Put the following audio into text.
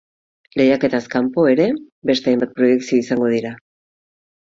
Lehiaketaz kanpo ere beste hainbat proiekzio izango dira.